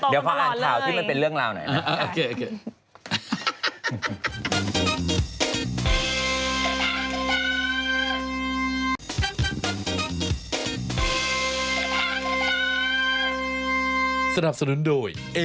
เดี๋ยวเรามาอัดเดตสภาพอากาศกันกันหนึ่งค่ะ